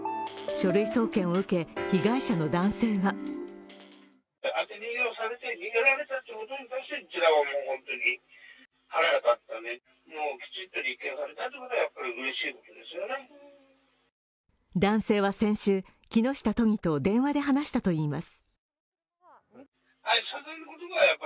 書類送検を受け、被害者の男性は男性は先週、木下都議と電話で話したといいます。